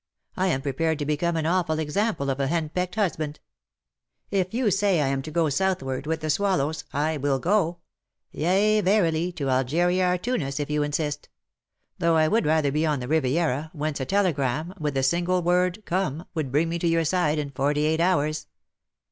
I am prepared to become an awful example of a henpecked husband. If you say I am to go southward, with the swallows, I will go — yea,, verily, to Algeria or Tunis, if you insist : though I would rather be on the Riviera, whence a telegram, with the single word 'Come' would bring me to your side in forty eight hours.'